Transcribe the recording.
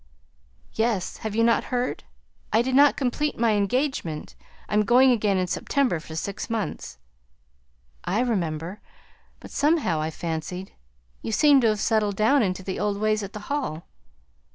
"Yes. Have you not heard? I didn't complete my engagement. I'm going again in September for six months." "I remember. But somehow I fancied you seemed to have settled down into the old ways at the Hall."